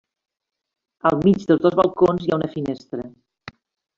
Al mig dels dos balcons hi ha una finestra.